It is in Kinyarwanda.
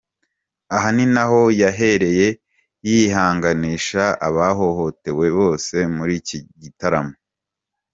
Aha ni naho yahereye yihanganisha abahohotewe bose muri iki gitaramo.